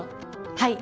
はい。